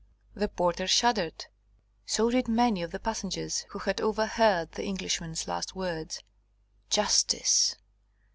The porter shuddered, so did many of the passengers who had overheard the Englishman's last words. Justice!